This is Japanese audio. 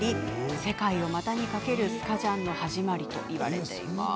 世界を股にかけるスカジャンの始まりといわれています。